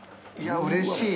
うれしい。